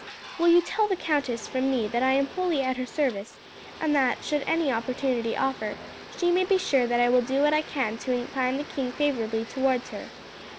Will you tell the countess from me that I am wholly at her service, and that, should any opportunity offer, she may be sure that I will do what I can to incline the king favourably towards her.